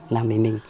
làm với mình